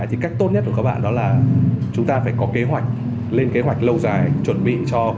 thì cách tốt nhất của các bạn đó là chúng ta phải có kế hoạch lên kế hoạch lâu dài